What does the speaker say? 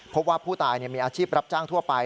พบว่าผู้ตายมีอาชีพรับจ้างทั่วไป